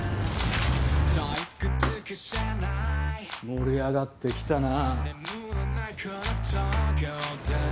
盛り上がってきたな。